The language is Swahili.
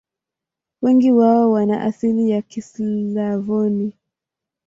Wengi wao wana asili ya Kislavoni.